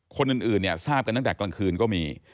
คนอื่นเนี่ยทราบกันตั้งแต่กลางคืนก็มี